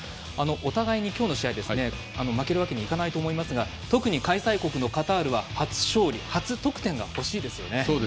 お互いに今日の試合負けるわけにはいかないと思いますが特に開催国のカタールは初勝利初得点が欲しいですよね。